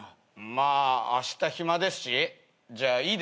まああした暇ですしじゃあいいですよ。